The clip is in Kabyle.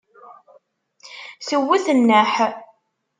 Tewwet nneḥ.